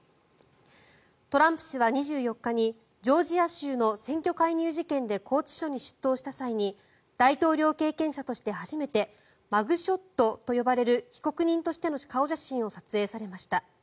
トランプ氏は２４日にジョージア州の選挙介入事件で拘置所に出頭した際に大統領経験者として初めてマグショットと呼ばれる被告人としての顔写真を撮影されました。